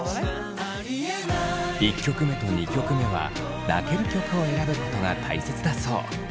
１曲目と２曲目は泣ける曲を選ぶことが大切だそう。